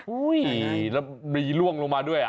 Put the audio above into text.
ขี่แล้วมีล่วงลงมาด้วย